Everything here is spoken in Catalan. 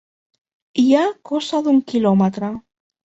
Hi ha cosa d'un quilòmetre.